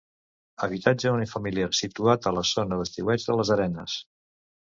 Habitatge unifamiliar situat a la zona d'estiueig de Les Arenes.